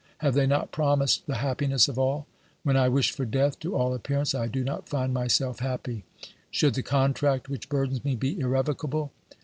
Have they not promised the happiness of all ? When I wish for death, to all appear ance I do not find myself happy. Should the contract which burdens me be irrevocable